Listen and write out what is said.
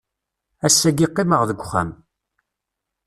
Ass-agi qqimeɣ deg uxxam.